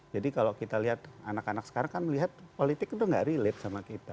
jadi kalau kita lihat anak anak sekarang kan melihat politik itu tidak relate sama kita